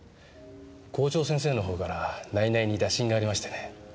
校長先生のほうから内々に打診がありましてね。